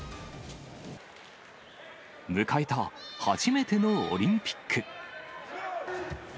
迎えた初めてのオリンピック。